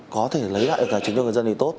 có thể lấy lại cả chính quyền người dân thì tốt